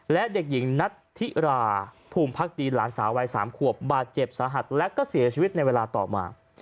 และเด็กหญิงนัทธิราภูมิพักดีหลานสาววัย๓ขวบบาดเจ็บสาหัสและก็เสียชีวิตในเวลาต่อมา